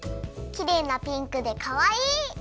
きれいなピンクでかわいい！